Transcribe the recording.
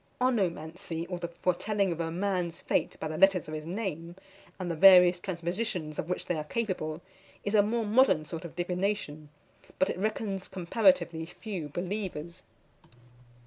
Onomancy, or the foretelling a man's fate by the letters of his name, and the various transpositions of which they are capable, is a more modern sort of divination; but it reckons comparatively few believers.